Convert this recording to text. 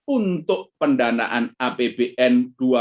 untuk pendanaan apbn dua ribu dua puluh